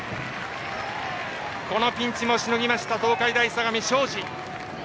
このピンチもしのぎました東海大相模、庄司。